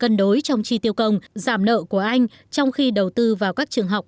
cân đối trong chi tiêu công giảm nợ của anh trong khi đầu tư vào các trường học